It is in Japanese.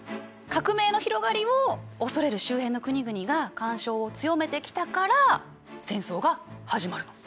革命の広がりを恐れる周辺の国々が干渉を強めてきたから戦争が始まるの。